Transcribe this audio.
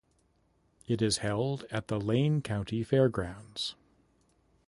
It is held at the Lane County Fairgrounds.